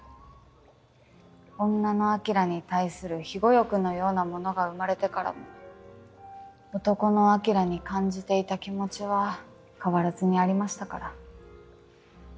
女の晶に対する庇護欲のようなものが生まれてからも男の晶に感じていた気持ちは変わらずにありましたから。